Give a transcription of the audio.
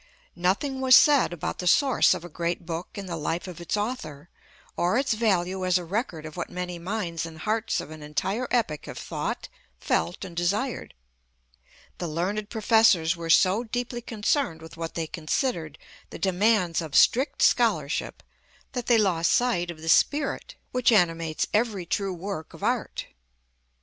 Nothing was said about the source of a great book in the life of its author, or its value as a record of what many minds and hearts of an entire epoch have thought, felt and desired. The learned professors were so deeply concerned with what they considered the demands of strict scholarship that they lost sight of the spirit which animates every true work of art.